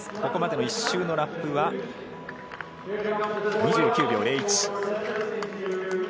ここまでの１周のラップは２９秒０１。